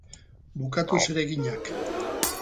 Bukatu zereginak.